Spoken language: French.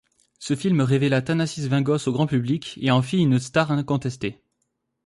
Ce film révéla Thanássis Véngos au grand public et en fit une star incontestée.